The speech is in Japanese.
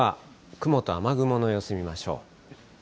雲と雨雲の様子見ましょう。